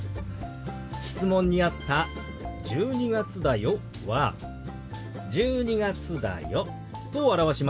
質問にあった「１２月だよ」は「１２月だよ」と表しますよ。